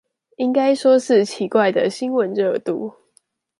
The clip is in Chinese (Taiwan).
應該說是奇怪的新聞熱度